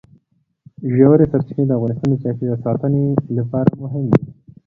ژورې سرچینې د افغانستان د چاپیریال ساتنې لپاره مهم دي.